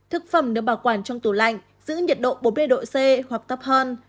thực phẩm được bảo quản trong tủ lạnh giữ nhiệt độ bốn mươi độ c hoặc tấp hơn